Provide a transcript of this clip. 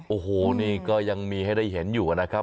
โอ้โหนี่ก็ยังมีให้ได้เห็นอยู่นะครับ